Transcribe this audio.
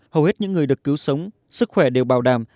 hầu hết những người được cứu sống sức khỏe đều bảo đảm